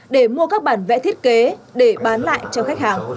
để mua các bản vẽ thiết kế để bán lại cho khách hàng